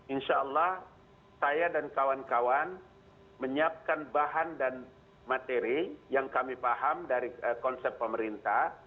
insya allah saya dan kawan kawan menyiapkan bahan dan materi yang kami paham dari konsep pemerintah